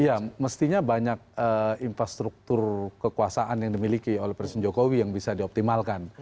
iya mestinya banyak infrastruktur kekuasaan yang dimiliki oleh presiden jokowi yang bisa dioptimalkan